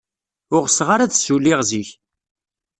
Ur ɣseɣ ara ad ssulliɣ zik.